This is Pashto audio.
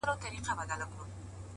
شپې دي روڼي ورځي تیري په ژړا سي.!